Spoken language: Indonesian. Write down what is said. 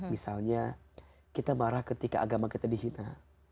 misalnya kita marah ketika agama kita dihina